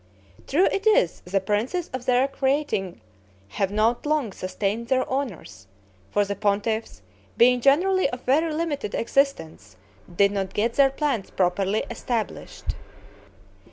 True it is, the princes of their creating have not long sustained their honors; for the pontiffs, being generally of very limited existence, did not get their plants properly established.